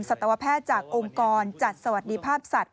สัตวแพทย์จากองค์กรจัดสวัสดิภาพสัตว